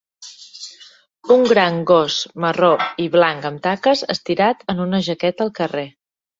Un gran gos marró i blanc amb taques, estirat en un jaqueta al carrer